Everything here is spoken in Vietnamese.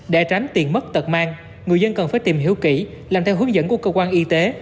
để tránh tiền mất tật mang người dân cần phải tìm hiểu kỹ làm theo hướng dẫn của cơ quan y tế